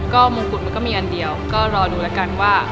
ก็มงกุฎมันก็มีอันเดียวก็รอดูแล้วกันว่า